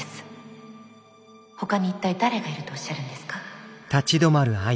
ほかに一体誰がいるとおっしゃるんですか？